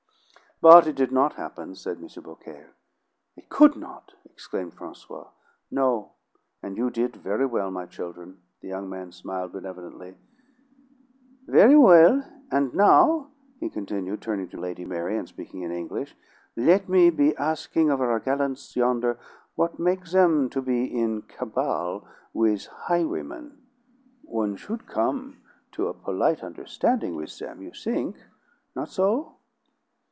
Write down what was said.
"But it did not happen," said M. Beaucaire. "It could not!" exclaimed Francois. "No. And you did very well, my children " the young man smiled benevolently "very well. And now," he continued, turning to Lady Mary and speaking in English, "let me be asking of our gallants yonder what make' them to be in cabal with highwaymen. One should come to a polite understanding with them, you think? Not so?"